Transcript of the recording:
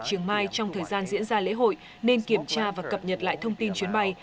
triều mai trong thời gian diễn ra lễ hội nên kiểm tra và cập nhật lại thông tin chuyến bay